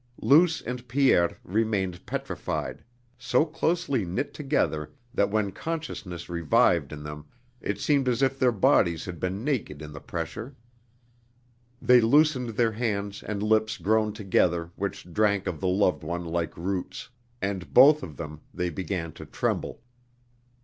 Luce and Pierre remained petrified; so closely knit together that when consciousness revived in them it seemed as if their bodies had been naked in the pressure. They loosened their hands and lips grown together which drank of the loved one like roots. And, both of them, they began to tremble.